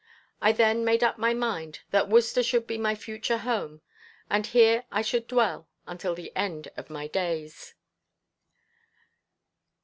I then made up my mind that Worcester should be my future home, and here I should dwell until the end of my days.